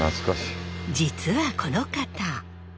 実はこの方。